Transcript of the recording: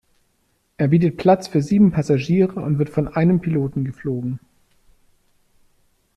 Er bietet Platz für sieben Passagiere und wird von einem Piloten geflogen.